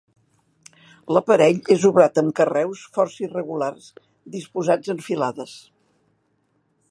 L'aparell és obrat amb carreus força irregulars disposats en filades.